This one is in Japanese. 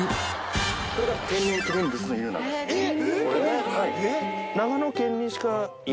えっ？